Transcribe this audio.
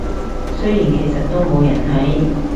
雖然其實都冇人睇